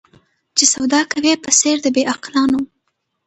چي سودا کوې په څېر د بې عقلانو